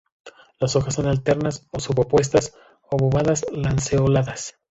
Las hojas son alternas y sub-opuestas, obovadas-lanceoladas.